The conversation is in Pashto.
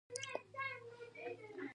ایا زه باید د زړه ټسټ وکړم؟